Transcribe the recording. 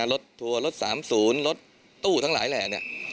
รถทัวร์รถ๓๐รถตู้ทั้งหลายแหล่เนี่ย